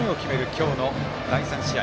今日の第３試合。